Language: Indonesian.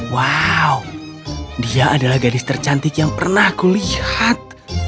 wow dia adalah gadis tercantik yang pernah kulihat